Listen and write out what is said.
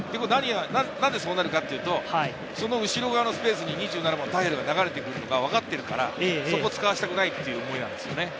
なんでそうなるかというと、後ろ側のスペースにタヘルが流れてくるのが分かってるから、そこを使わせたくないという思いなんですね。